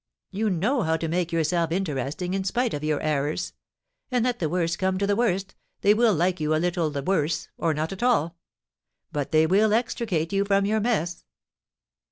You know how to make yourself interesting in spite of your errors; and, let the worst come to the worst, they will like you a little the worse, or not at all; but they will extricate you from your mess.